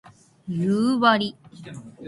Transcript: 夕張